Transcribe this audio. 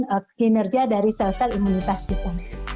dengan kinerja dari sel sel imunitas kita